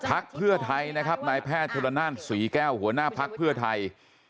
พักเพื่อไทยนะครับนายแพทย์ชนละนานศรีแก้วหัวหน้าภักดิ์เพื่อไทย